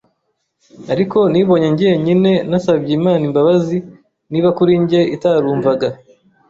ariko nibonye njyenyine nasabye Imana imbabazi niba kuri njye itarumvaga